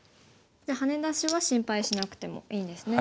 じゃあハネ出しは心配しなくてもいいんですね。